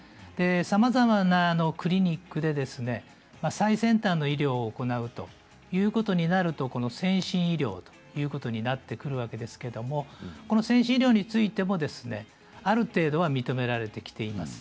さまざまなクリニックで最先端の医療を行うということになるとこの先進医療ということになってくるわけですけれどこの先進医療についてもある程度は認められてきています。